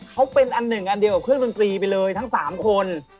เขาเป็นอันหนึ่งอันเดียวกับเครื่องดนตรีไปเลยทั้ง๓คน